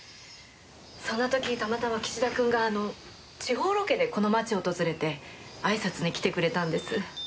その時たまたま岸田君が地方ロケでこの町を訪れてあいさつに来てくれたんです。